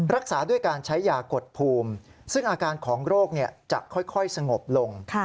รักษาด้วยการใช้ยากดภูมิซึ่งอาการของโรคจะค่อยสงบลง